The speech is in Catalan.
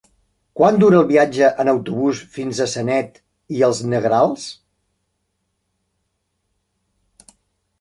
Quant dura el viatge en autobús fins a Sanet i els Negrals?